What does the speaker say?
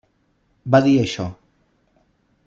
Va dir això.